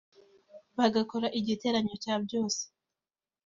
bagakora igiteranyo cya byose